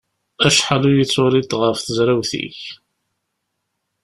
Acḥal ur iyi-d-turiḍ ɣef tezrawt-ik?